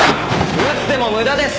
撃っても無駄です。